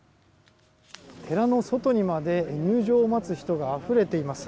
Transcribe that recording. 「寺の外にまで入場を待つ人が溢れています。